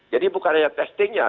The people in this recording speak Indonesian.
jadi bukan hanya testingnya